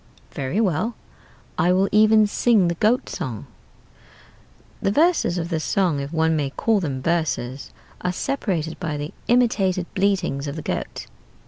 "'Very well; I will even sing the goat song.' "The verses of this song (if one may call them verses) are separated by the imitated bleatings of the goat.